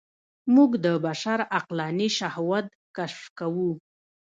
موږ د بشر عقلاني شهود کشف کوو.